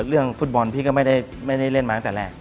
เรื่องฟุตบอลพี่ก็ไม่ได้เล่นมาตั้งแต่แรก